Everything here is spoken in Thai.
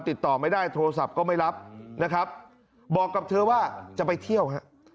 ติดต่อไม่ได้โทรศัพท์ก็ไม่รับนะครับบอกกับเธอว่าจะไปเที่ยวฮะ